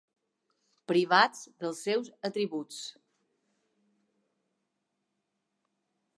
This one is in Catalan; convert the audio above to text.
Privats dels seus atributs.